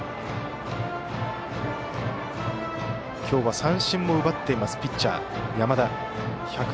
今日は三振も奪っているピッチャーの山田。